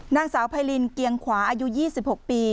นางสาวไพรินเกียงขวาอายุ๒๖ปี